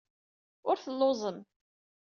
Ur telluẓem.